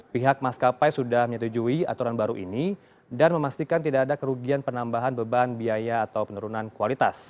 pihak maskapai sudah menyetujui aturan baru ini dan memastikan tidak ada kerugian penambahan beban biaya atau penurunan kualitas